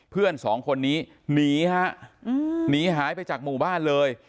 เพื่อนสองคนนี้หนีฮะหนีหายไปจากหมู่บ้านเลย